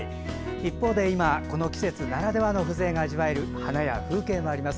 一方で今、この季節ならではの風情が味わえる花や風景もあります。